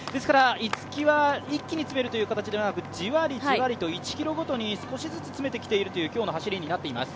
逸木は一気に詰めるということではなくじわりじわりと１ｋｍごとに少しずつ詰めてきているという今日の走りになっています。